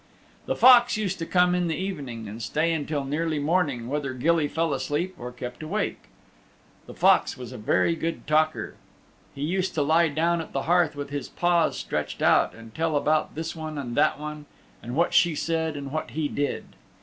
The Fox used to come in the evening and stay until nearly morning whether Gilly fell asleep or kept awake. The Fox was a very good talker. He used to lie down at the hearth with his paws stretched out, and tell about this one and that one, and what she said and what he did.